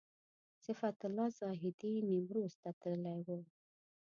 صفت الله زاهدي نیمروز ته تللی و.